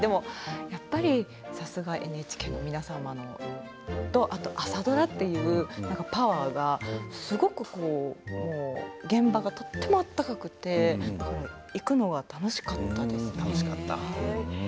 やっぱりさすがＮＨＫの皆さんはそして朝ドラというパワーがすごく現場がとても温かくて行くのが楽しかったです。